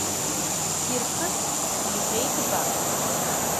Сирхыст иҳәеит-ба?!